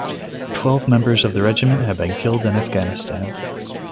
Twelve members of the regiment have been killed in Afghanistan.